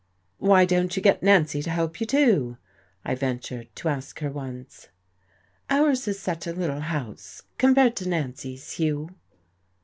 "Why don't you get Nancy to help you, too!" I ventured to ask her once. "Ours is such a little house compared to Nancy's, Hugh."